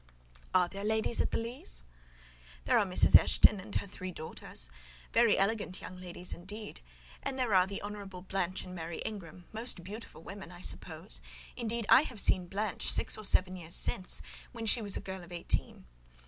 "Are there ladies at the Leas?" "There are Mrs. Eshton and her three daughters—very elegant young ladies indeed; and there are the Honourable Blanche and Mary Ingram, most beautiful women, I suppose: indeed I have seen Blanche, six or seven years since, when she was a girl of eighteen.